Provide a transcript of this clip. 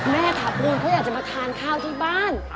แม่ขับรถเขาอยากจะมาทานข้าวที่บ้าน